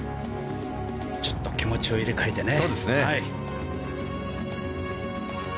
ちょっと気持ちを入れ替えてね。